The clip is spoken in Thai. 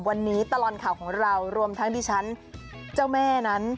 วันนี้ตลอดข่าวของเรารวมทั้งดิฉันเจ้าแม่นั้น